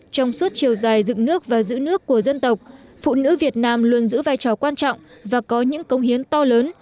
trong suốt chiều dài dựng nước và giữ nước của dân tộc phụ nữ việt nam luôn giữ vai trò quan trọng và có những công hiến to lớn